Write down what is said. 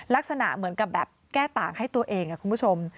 ลักษณะเหมือนกับแบบแก้ต่างให้ตัวเองคุณผู้ชม